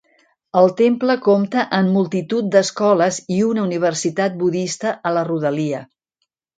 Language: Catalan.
El temple compta amb multitud d'escoles i una universitat budista a la rodalia.